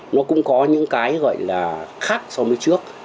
nó cũng có những cái gọi là khác so với trước